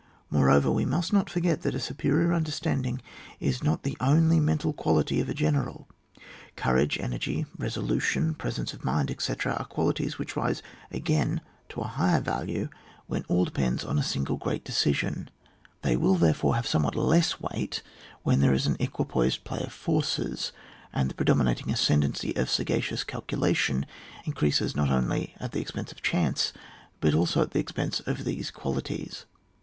More over, we must not forget that a superior understanding is not the only mental quality of a general ; courage, energy, resolution, presence of mind, etc., are qualities which rise again to a higher value when all depends on one single great decision ; they will, therefore, have somewhat less weight when there is an equipoised play of forces, and the pre dominating ascendancy of sagacious cal culation increases not only at the expense of chance, but also at the expense of these qualities.